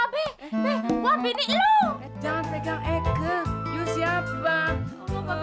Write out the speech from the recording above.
pak pak pak pak